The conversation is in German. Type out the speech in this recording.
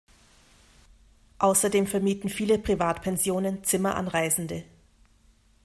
Außerdem vermieten viele Privat-Pensionen Zimmer an Reisende.